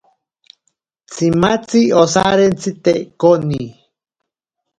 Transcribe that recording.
Tsimatzi osarentsite koni.